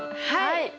はい！